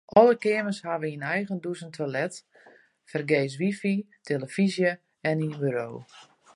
Alle keamers hawwe in eigen dûs en toilet, fergees wifi, tillefyzje en in buro.